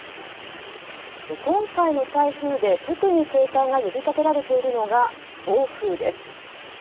今回の台風で特に警戒が呼びかけられているのが暴風です。